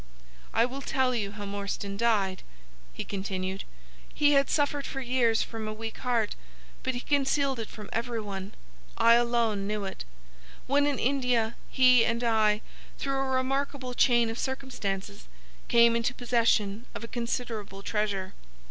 "'I will tell you how Morstan died,' he continued. 'He had suffered for years from a weak heart, but he concealed it from every one. I alone knew it. When in India, he and I, through a remarkable chain of circumstances, came into possession of a considerable treasure.